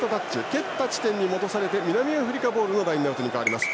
蹴った地点に戻されて南アフリカボールのラインアウトに変わります。